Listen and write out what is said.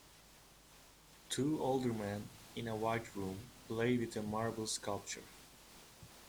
Two older men, in a white room, play with a marble sculpture.